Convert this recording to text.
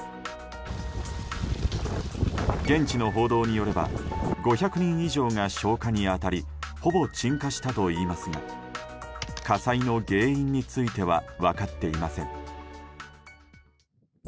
現地の報道によれば５００人以上が消火に当たりほぼ鎮火したといいますが火災の原因については分かっていません。